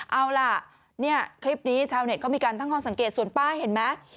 เอาล่ะเนี่ยคลิปนี้ชาวเน็ตก็มีการตั้งข้อสังเกตส่วนป้าเห็นไหม